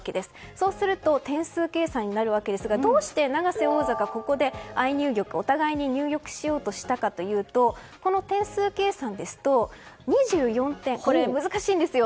そうすると点数計算になるわけですがどうして永瀬王座が相入玉というお互いに入玉しようとしたかというと点数計算ですと２４点、難しいんですよ。